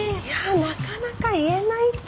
なかなか言えないって。